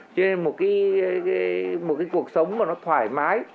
cho nên một cái cuộc sống mà nó thoải mái